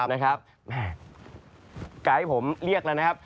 ครับนะครับแหมไกด์ผมเรียกแล้วนะครับครับ